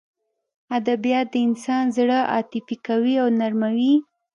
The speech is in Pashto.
ادبیات د انسان زړه عاطفي کوي او نرموي یې